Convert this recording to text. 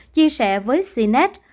chia sẻ với cnet